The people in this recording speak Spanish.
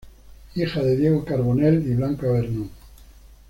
Hija de Diego Carbonell y Blanca Vernon.